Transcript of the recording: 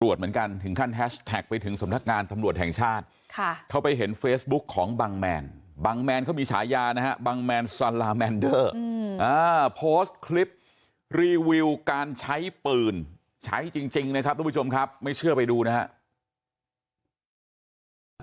ถึงขั้นแฮชแท็กไปถึงสำนักงานตำรวจแห่งชาติเขาไปเห็นเฟซบุ๊กของบังแมนบางแมนเขามีฉายานะฮะบังแมนซาลาแมนเดอร์โพสต์คลิปรีวิวการใช้ปืนใช้จริงนะครับทุกผู้ชมครับไม่เชื่อไปดูนะฮะ